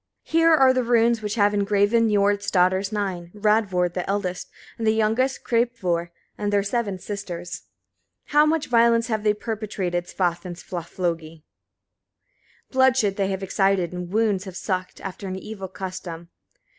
79. Here are runes which have engraven Niord's daughters nine, Radvor the eldest, and the youngest Kreppvor, and their seven sisters. 80. How much violence have they perpetrated Svaf and Svaflogi! bloodshed they have excited, and wounds have sucked, after an evil custom.